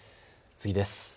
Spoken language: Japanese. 次です。